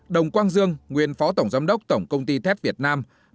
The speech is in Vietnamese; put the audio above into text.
đồng quang dương nguyên phó tổng giám đốc tổng công ty thép việt nam